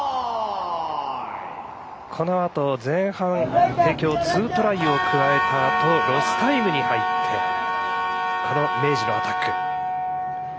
このあと、前半帝京２トライを加えたあとロスタイムに入って明治のアタック。